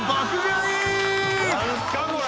何すかこれ！？